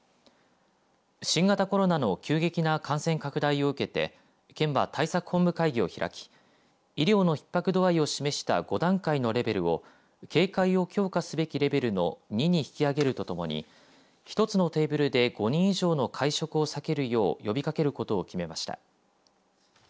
新型コロナの急激な感染拡大を受けて県は対策本部会議を開き医療のひっ迫度合いを示した５段階のレベルを警戒を強化すべきレベルの２に引き上げるとともに１つのテーブルで５人以上の会食を避けるよう呼びかけることを決めました。